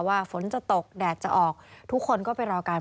ฝนจะตกแดดจะออกทุกคนก็ไปรอกัน